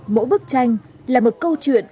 mỗi bức tranh là một câu chuyện